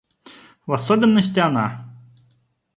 В особенности она...